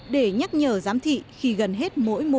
để nhắc nhở giám thị khi gần hết